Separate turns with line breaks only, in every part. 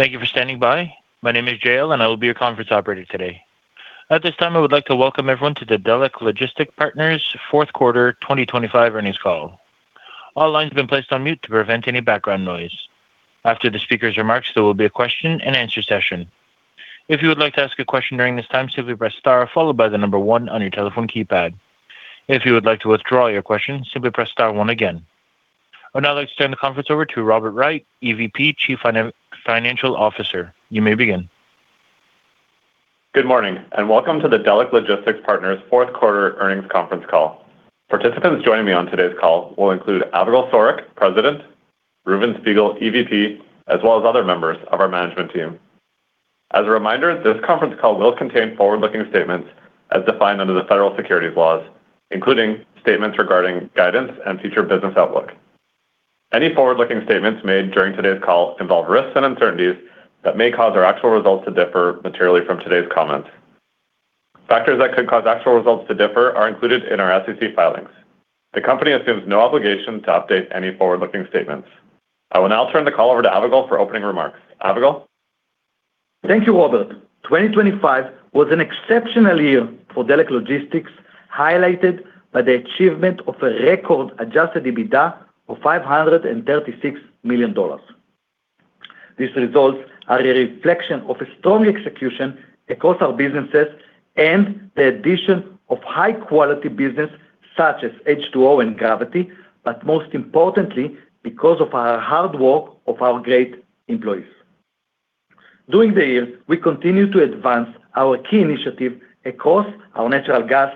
Thank you for standing by. My name is Jayel, I will be your conference operator today. At this time, I would like to welcome everyone to the Delek Logistics Partners Fourth Quarter 2025 Earnings Call. All lines have been placed on mute to prevent any background noise. After the speaker's remarks, there will be a question-and-answer session. If you would like to ask a question during this time, simply press star followed by one on your telephone keypad. If you would like to withdraw your question, simply press star one again. I would now like to turn the conference over to Robert Wright, EVP, Chief Financial Officer. You may begin.
Good morning, and welcome to the Delek Logistics Partners Fourth Quarter Earnings Conference Call. Participants joining me on today's call will include Avigal Soreq, President, Reuven Spiegel, EVP, as well as other members of our management team. As a reminder, this conference call will contain forward-looking statements as defined under the federal securities laws, including statements regarding guidance and future business outlook. Any forward-looking statements made during today's call involve risks and uncertainties that may cause our actual results to differ materially from today's comments. Factors that could cause actual results to differ are included in our SEC filings. The company assumes no obligation to update any forward-looking statements. I will now turn the call over to Avigal for opening remarks. Avigal.
Thank you, Robert. 2025 was an exceptional year for Delek Logistics, highlighted by the achievement of a record Adjusted EBITDA of $536 million. These results are a reflection of a strong execution across our businesses and the addition of high-quality business such as H2O and Gravity, most importantly, because of our hard work of our great employees. During the year, we continued to advance our key initiative across our natural gas,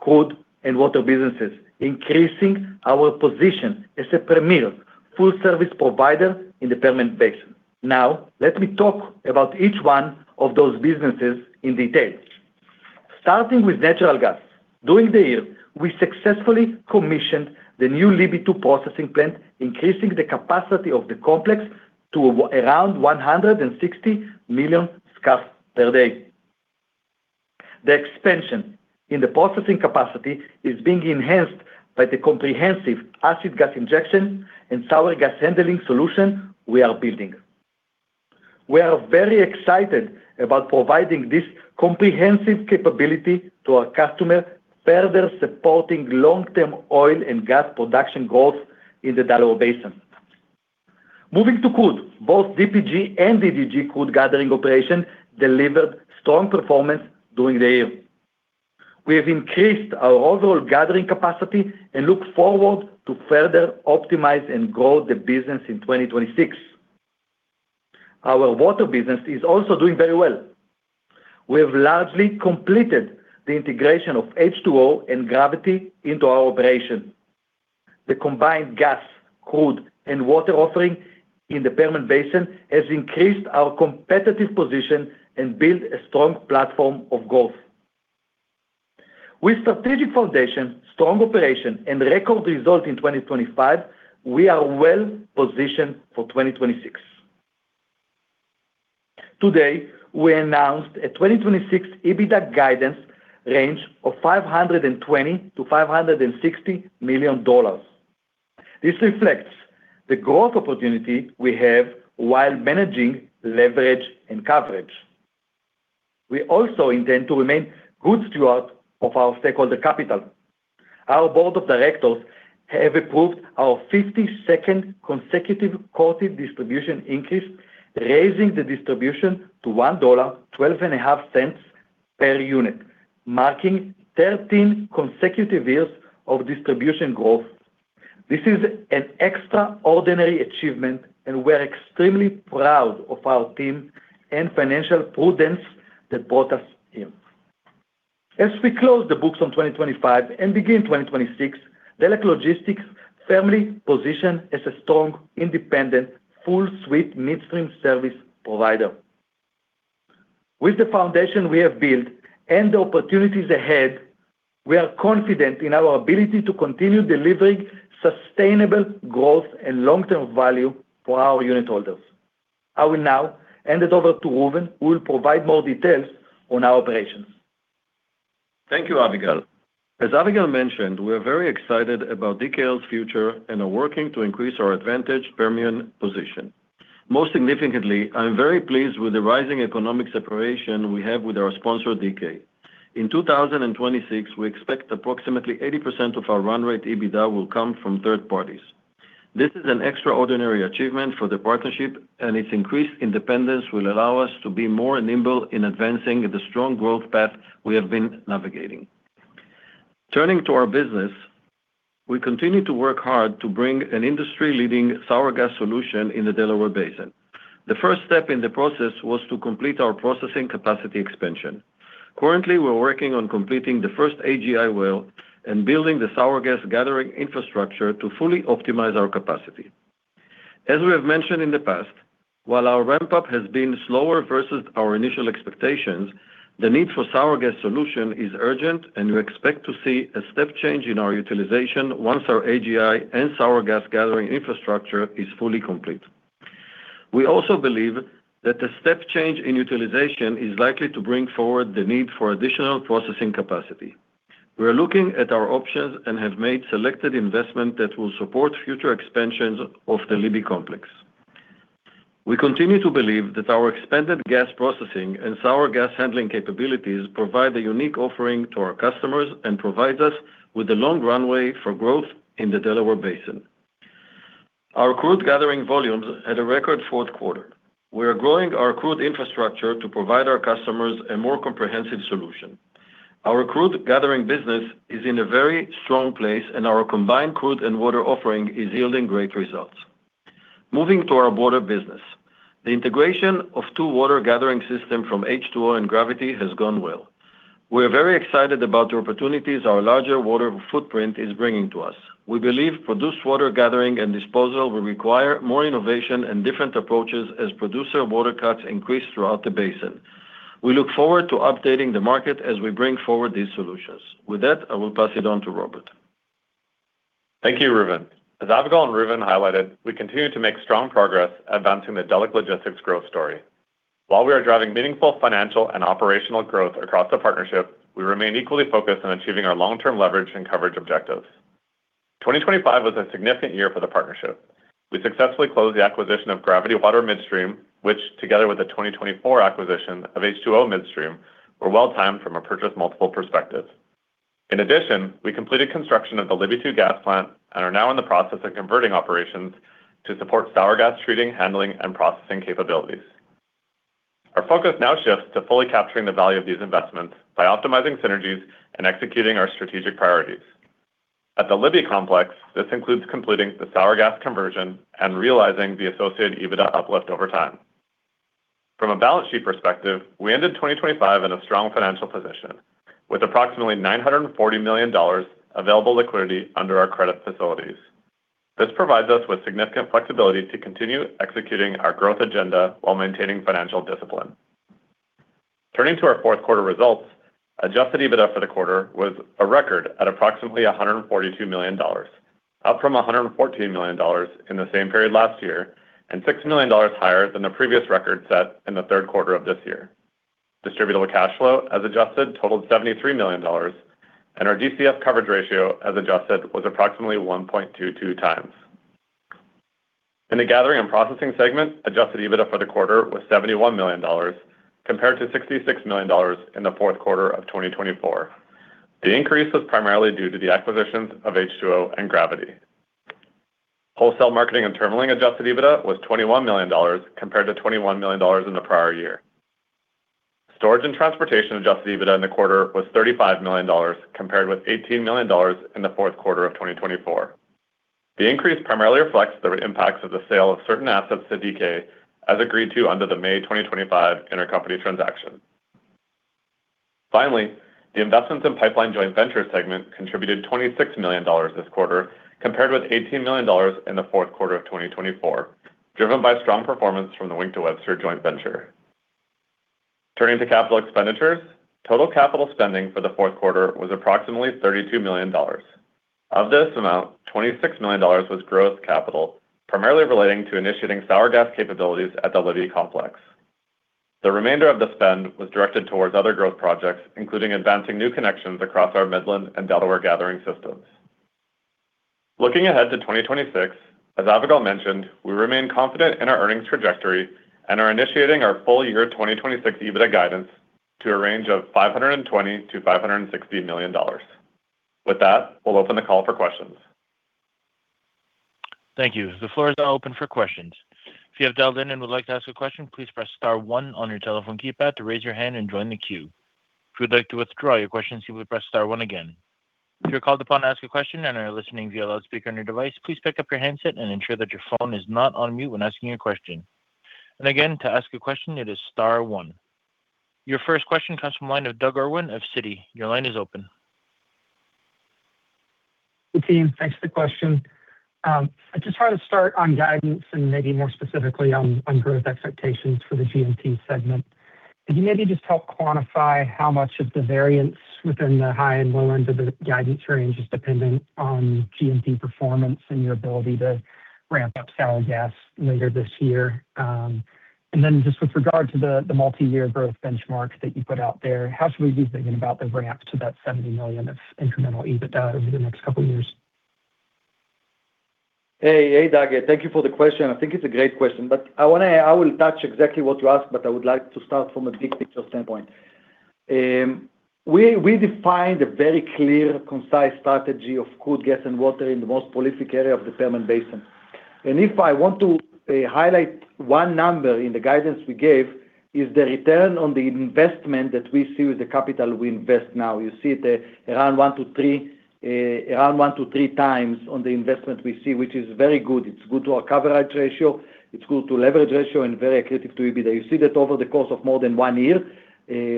crude, and water businesses, increasing our position as a premier full-service provider in the Permian Basin. Let me talk about each one of those businesses in detail. Starting with natural gas. During the year, we successfully commissioned the new Libby 2 processing plant, increasing the capacity of the complex to around 160 million scf per day. The expansion in the processing capacity is being enhanced by the comprehensive acid gas injection and sour gas handling solution we are building. We are very excited about providing this comprehensive capability to our customer, further supporting long-term oil and gas production growth in the Delaware Basin. Moving to crude. Both DPG and DDG crude gathering operation delivered strong performance during the year. We have increased our overall gathering capacity and look forward to further optimize and grow the business in 2026. Our water business is also doing very well. We have largely completed the integration of H2O and Gravity into our operation. The combined gas, crude, and water offering in the Permian Basin has increased our competitive position and build a strong platform of growth. With strategic foundation, strong operation, and record result in 2025, we are well positioned for 2026. Today, we announced a 2026 EBITDA guidance range of $520 million-$560 million. This reflects the growth opportunity we have while managing leverage and coverage. We also intend to remain good steward of our stakeholder capital. Our Board of Directors have approved our 52nd consecutive quarterly distribution increase, raising the distribution to $1.125 per unit, marking 13 consecutive years of distribution growth. This is an extraordinary achievement, we're extremely proud of our team and financial prudence that brought us here. As we close the books on 2025 and begin 2026, Delek Logistics firmly positioned as a strong, independent, full-suite midstream service provider. With the foundation we have built and the opportunities ahead, we are confident in our ability to continue delivering sustainable growth and long-term value for our unit holders. I will now hand it over to Reuven, who will provide more details on our operations.
Thank you, Avigal. As Avigal mentioned, we're very excited about DKL's future and are working to increase our advantage Permian position. Most significantly, I'm very pleased with the rising economic separation we have with our sponsor, DK. In 2026, we expect approximately 80% of our run rate EBITDA will come from third parties. This is an extraordinary achievement for the partnership. Its increased independence will allow us to be more nimble in advancing the strong growth path we have been navigating. Turning to our business. We continue to work hard to bring an industry-leading sour gas solution in the Delaware Basin. The first step in the process was to complete our processing capacity expansion. Currently, we're working on completing the first AGI well and building the sour gas gathering infrastructure to fully optimize our capacity. As we have mentioned in the past, while our ramp-up has been slower versus our initial expectations, the need for sour gas solution is urgent, and we expect to see a step change in our utilization once our AGI and sour gas gathering infrastructure is fully complete. We also believe that the step change in utilization is likely to bring forward the need for additional processing capacity. We are looking at our options and have made selected investment that will support future expansions of the Libby complex. We continue to believe that our expanded gas processing and sour gas handling capabilities provide a unique offering to our customers and provides us with a long runway for growth in the Delaware Basin. Our crude gathering volumes had a record fourth quarter. We are growing our crude infrastructure to provide our customers a more comprehensive solution. Our crude gathering business is in a very strong place, our combined crude and water offering is yielding great results. Moving to our water business. The integration of two water gathering system from H2O and Gravity has gone well. We are very excited about the opportunities our larger water footprint is bringing to us. We believe produced water gathering and disposal will require more innovation and different approaches as producer water cuts increase throughout the basin. We look forward to updating the market as we bring forward these solutions. With that, I will pass it on to Robert.
Thank you, Reuven. As Avigal and Reuven highlighted, we continue to make strong progress advancing the Delek Logistics growth story. While we are driving meaningful financial and operational growth across the partnership, we remain equally focused on achieving our long-term leverage and coverage objectives. 2025 was a significant year for the partnership. We successfully closed the acquisition of Gravity Water Midstream, which, together with the 2024 acquisition of H2O Midstream, were well-timed from a purchase multiple perspective. We completed construction of the Libby 2 gas plant and are now in the process of converting operations to support sour gas treating, handling, and processing capabilities. Our focus now shifts to fully capturing the value of these investments by optimizing synergies and executing our strategic priorities. At the Libby complex, this includes completing the sour gas conversion and realizing the associated EBITDA uplift over time. From a balance sheet perspective, we ended 2025 in a strong financial position with approximately $940 million available liquidity under our credit facilities. This provides us with significant flexibility to continue executing our growth agenda while maintaining financial discipline. Turning to our fourth quarter results, Adjusted EBITDA for the quarter was a record at approximately $142 million, up from $114 million in the same period last year, and $6 million higher than the previous record set in the third quarter of this year. Distributable cash flow as adjusted totaled $73 million, and our DCF coverage ratio as adjusted was approximately 1.22x. In the Gathering and Processing segment, Adjusted EBITDA for the quarter was $71 million compared to $66 million in the fourth quarter of 2024. The increase was primarily due to the acquisitions of H2O and Gravity. Wholesale marketing and terminalling Adjusted EBITDA was $21 million compared to $21 million in the prior year. Storage and transportation Adjusted EBITDA in the quarter was $35 million compared with $18 million in the fourth quarter of 2024. The increase primarily reflects the impacts of the sale of certain assets to DK as agreed to under the May 2025 intercompany transaction. Finally, the investments in pipeline joint venture segment contributed $26 million this quarter, compared with $18 million in the fourth quarter of 2024, driven by strong performance from the Wink to Webster joint venture. Turning to capital expenditures, total capital spending for the fourth quarter was approximately $32 million. Of this amount, $26 million was growth capital, primarily relating to initiating sour gas capabilities at the Libby complex. The remainder of the spend was directed towards other growth projects, including advancing new connections across our Midland and Delaware gathering systems. Looking ahead to 2026, as Avigal mentioned, we remain confident in our earnings trajectory and are initiating our full year 2026 EBITDA guidance to a range of $520 million-$560 million. With that, we'll open the call for questions.
Thank you. The floor is now open for questions. If you have dialed in and would like to ask a question, please press star one on your telephone keypad to raise your hand and join the queue. If you'd like to withdraw your question, simply press star one again. If you're called upon to ask a question and are listening via loudspeaker on your device, please pick up your handset and ensure that your phone is not on mute when asking your question. Again, to ask a question, it is star one. Your first question comes from line of Doug Irwin of Citi. Your line is open.
Hey, team. Thanks for the question. I just want to start on guidance and maybe more specifically on growth expectations for the GMT segment. Could you maybe just help quantify how much of the variance within the high and low end of the guidance range is dependent on GMT performance and your ability to ramp up sale gas later this year? Then just with regard to the multi-year growth benchmarks that you put out there, how should we be thinking about the ramp to that $70 million of incremental EBITDA over the next couple of years?
Hey, Doug. Thank you for the question. I think it's a great question. I will touch exactly what you asked. I would like to start from a big picture standpoint. We defined a very clear, concise strategy of crude gas and water in the most prolific area of the Permian Basin. If I want to highlight one number in the guidance we gave is the return on the investment that we see with the capital we invest now. You see it around 1x-3x on the investment we see, which is very good. It's good to our coverage ratio, it's good to leverage ratio. Very accretive to EBITDA. You see that over the course of more than one year,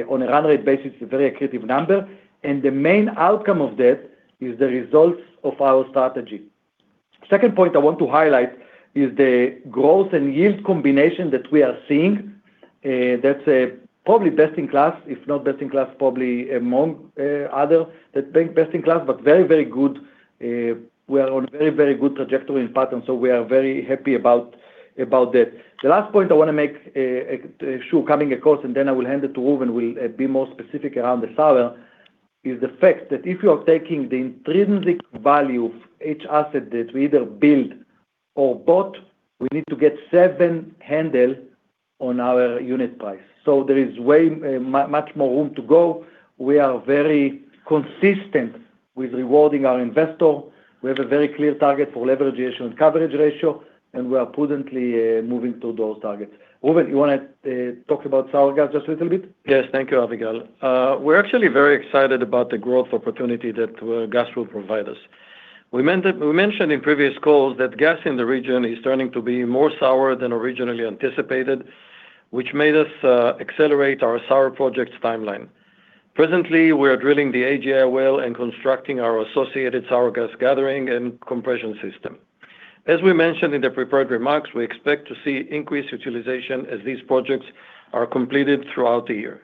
on a run rate basis, a very accretive number. The main outcome of that is the results of our strategy. Second point I want to highlight is the growth and yield combination that we are seeing. That's probably best in class. If not best in class, probably among other best in class, but very, very good. We are on very, very good trajectory in pattern. We are very happy about that. The last point I wanna make sure coming across, and then I will hand it to Reuven, will be more specific around the sour gas, is the fact that if you are taking the intrinsic value of each asset that we either build or bought, we need to get seven handle on our unit price. There is way much more room to go. We are very consistent with rewarding our investor. We have a very clear target for leverage ratio and coverage ratio, and we are prudently moving to those targets. Reuven, you wanna talk about sour gas just a little bit?
Yes. Thank you, Avigal. We're actually very excited about the growth opportunity that gas will provide us. We mentioned in previous calls that gas in the region is turning to be more sour than originally anticipated, which made us accelerate our sour project's timeline. Presently, we are drilling the AGI well and constructing our associated sour gas gathering and compression system. As we mentioned in the prepared remarks, we expect to see increased utilization as these projects are completed throughout the year.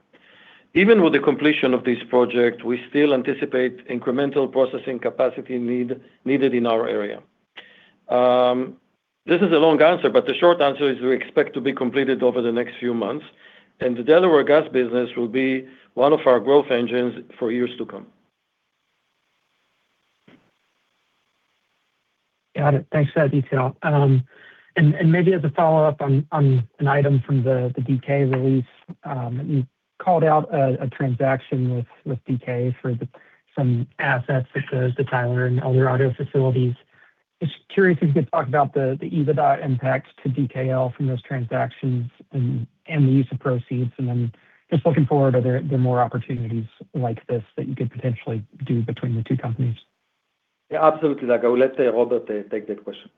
Even with the completion of this project, we still anticipate incremental processing capacity needed in our area. This is a long answer, but the short answer is we expect to be completed over the next few months, and the Delaware gas business will be one of our growth engines for years to come.
Got it. Thanks for that detail. Maybe as a follow-up on an item from the DK release, you called out a transaction with DK for some assets such as the Tyler and El Dorado facilities. Just curious if you could talk about the EBITDA impact to DKL from those transactions and the use of proceeds. Just looking forward, are there more opportunities like this that you could potentially do between the two companies?
Yeah, absolutely, Doug. I will let Robert take that question.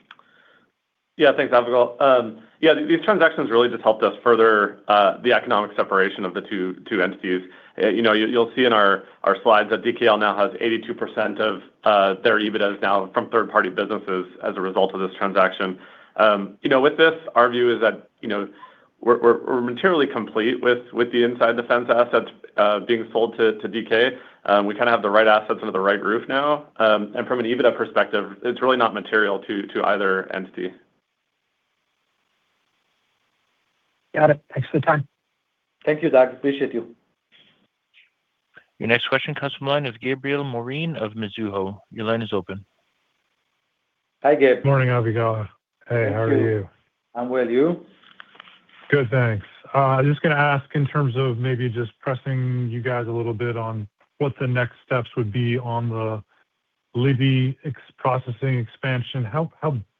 Yeah. Thanks, Avigal. Yeah, these transactions really just helped us further the economic separation of the two entities. You know, you'll see in our slides that DKL now has 82% of their EBITDAs now from third party businesses as a result of this transaction. You know, with this, our view is that, you know, we're materially complete with the inside the fence assets being sold to DK. We kinda have the right assets under the right roof now. From an EBITDA perspective, it's really not material to either entity.
Got it. Thanks for the time.
Thank you, Doug. Appreciate you.
Your next question comes from the line of Gabriel Moreen of Mizuho. Your line is open.
Hi, Gabe.
Morning, Avigal. Hey, how are you?
I'm well. You?
Good, thanks. Just gonna ask in terms of maybe just pressing you guys a little bit on what the next steps would be on the Libby processing expansion. How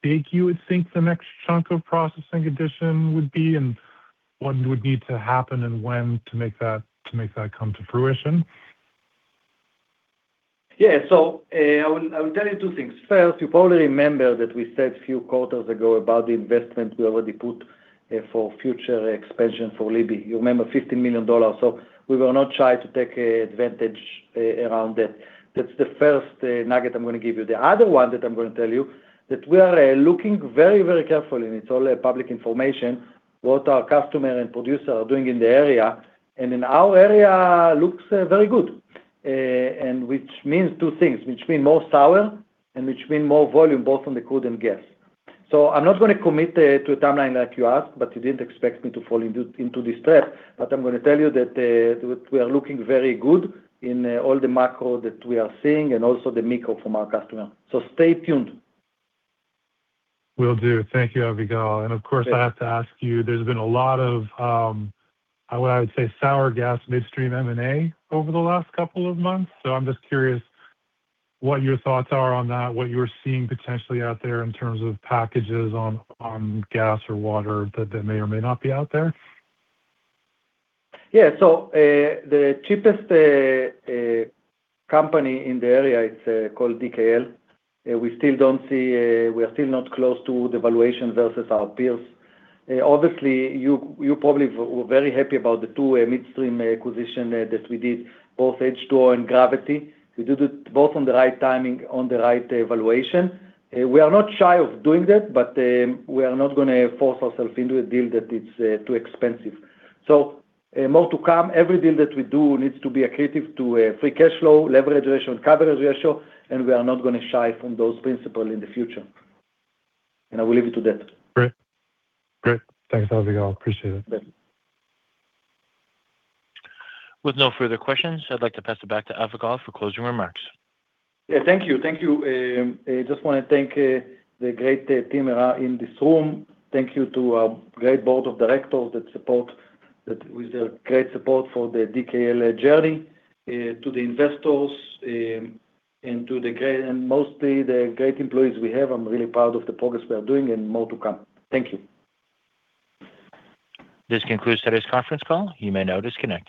big you would think the next chunk of processing addition would be, and what would need to happen and when to make that come to fruition?
I will tell you two things. First, you probably remember that we said few quarters ago about the investment we already put for future expansion for Libby. You remember $15 million. We will not try to take advantage around that. That's the first nugget I'm gonna give you. The other one that I'm gonna tell you, that we are looking very, very carefully, and it's all public information, what our customer and producer are doing in the area. In our area looks very good, and which means two things, which mean more sour and which mean more volume, both on the crude and gas. I'm not gonna commit to a timeline like you asked, but you didn't expect me to fall into this trap. I'm gonna tell you that, we are looking very good in, all the macro that we are seeing and also the micro from our customer. Stay tuned.
Will do. Thank you, Avigal.
Yeah.
Of course, I have to ask you, there's been a lot of what I would say sour gas midstream M&A over the last couple of months. I'm just curious what your thoughts are on that, what you're seeing potentially out there in terms of packages on gas or water that may or may not be out there.
The cheapest company in the area, it's called DKL. We still don't see, we are still not close to the valuation versus our peers. Obviously, you probably were very happy about the two midstream acquisition that we did, both H2O and Gravity. We do that both on the right timing, on the right valuation. We are not shy of doing that, we are not gonna force ourself into a deal that it's too expensive. More to come. Every deal that we do needs to be accretive to free cash flow, leverage ratio, and coverage ratio, and we are not gonna shy from those principle in the future. I will leave it to that.
Great. Great. Thanks, Avigal. Appreciate it.
Yes.
With no further questions, I'd like to pass it back to Avigal for closing remarks.
Yeah. Thank you. Thank you. I just wanna thank the great team here in this room. Thank you to great board of directors that with their great support for the DKL journey. To the investors, and mostly the great employees we have, I'm really proud of the progress we are doing and more to come. Thank you.
This concludes today's conference call. You may now disconnect.